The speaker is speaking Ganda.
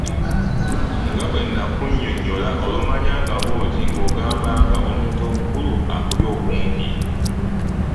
Nga bwe nnakunnyonnyola olumanyanga bwoti ng'ogamba omuntu omukulu alikuba okumpi.